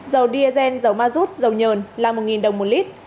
dầu diesel dầu mazut dầu nhờn là một đồng một lít